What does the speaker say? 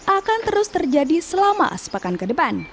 akan terus terjadi selama sepekan ke depan